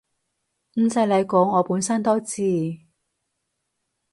唔使你講我本身都知